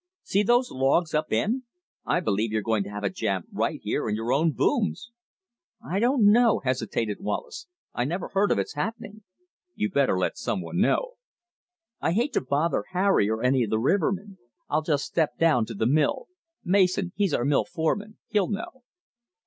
See those logs up end? I believe you're going to have a jam right here in your own booms!" "I don't know," hesitated Wallace, "I never heard of its happening." "You'd better let someone know." "I hate to bother Harry or any of the rivermen. I'll just step down to the mill. Mason he's our mill foreman he'll know."